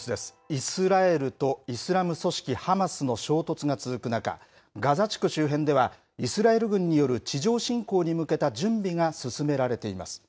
イスラエルとイスラム組織ハマスの衝突が続く中、ガザ地区周辺ではイスラエル軍による地上侵攻に向けた準備が進められています。